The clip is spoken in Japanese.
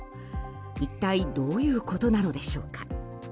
一体どういうことなのでしょうか。